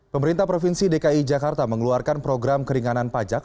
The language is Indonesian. pemerintah provinsi dki jakarta mengeluarkan program keringanan pajak